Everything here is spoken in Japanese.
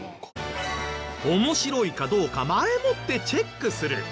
面白いかどうか前もってチェックする。